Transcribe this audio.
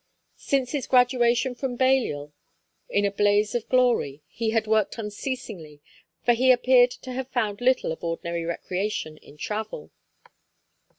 Since his graduation from Balliol in a blaze of glory he had worked unceasingly, for he appeared to have found little of ordinary recreation in travel.